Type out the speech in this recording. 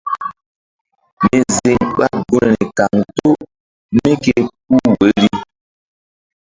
Mi ziŋ ɓa gunri kaŋto mí ké puh woirii.